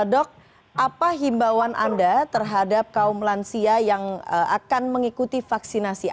dok apa himbauan anda terhadap kaum lansia yang akan mengikuti vaksinasi